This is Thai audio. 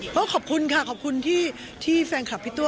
ก็ขอบคุณค่ะขอบคุณที่แฟนคลับพี่ตัว